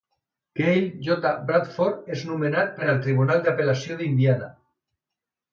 Cale J. Bradford és nomenat per al Tribunal d'Apel·lació d'Indiana.